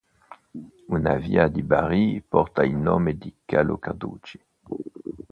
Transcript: Una via di Bari porta il nome di Calò Carducci.